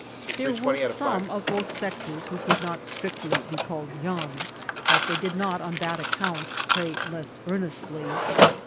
There were some of both sexes who could not strictly be called young ; but they did not, on that account, pray less earnestly.